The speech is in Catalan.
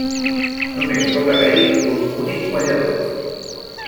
Només pot haver-hi un únic guanyador.